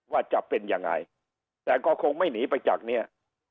ว่าจะเป็นยังไงแต่ก็คงไม่หนีไปจากเนี้ย